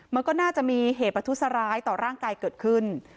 มันก็น่าจะมีเหตุประทุษร้ายต่อร่างกายเกิดขึ้น